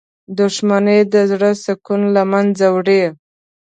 • دښمني د زړه سکون له منځه وړي.